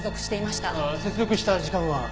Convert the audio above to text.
接続した時間は？